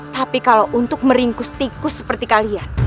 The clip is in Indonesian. tapi kalau untuk meringkus tikus seperti kalian